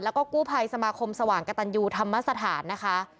แล้วก็กู้ภัยสมาคมสว่างกระตันยูธรรมสถานนะคะ